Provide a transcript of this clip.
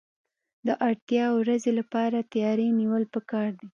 د اړتیا ورځې لپاره تیاری نیول پکار دي.